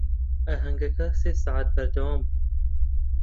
ئاهەنگەکە سێ سەعات بەردەوام بوو.